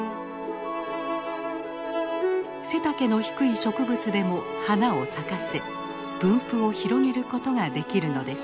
背丈の低い植物でも花を咲かせ分布を広げることができるのです。